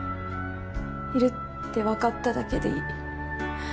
いるってわかっただけでいい